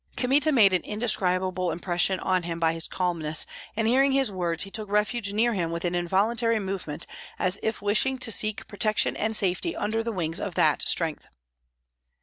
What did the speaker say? Kmita made an indescribable impression on him by his calmness, and hearing his words he took refuge near him with an involuntary movement as if wishing to seek protection and safety under the wings of that strength.